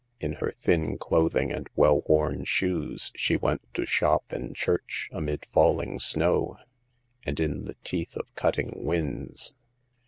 In her thin clothing and well worn shoes she went to shop and church amid falling snow, and in the teeth of cutting winds.